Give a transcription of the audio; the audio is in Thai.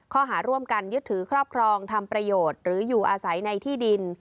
ข้อหาร่วมกันยึดถือครอบครองทำประโยชน์หรืออยู่อาศัยในที่ดิน